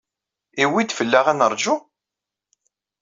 Iwwi-d fell-aɣ ad nerǧu?